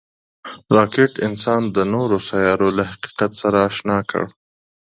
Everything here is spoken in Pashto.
راکټ انسان د نورو سیارو له حقیقت سره اشنا کړ